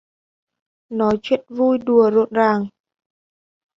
Nói chuyện vui đùa rộn ràng